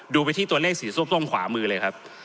ไปที่ตัวเลขสีส้มขวามือเลยครับ